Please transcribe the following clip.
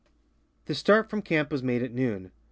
(PI. 32.) The start from camp was made at noon.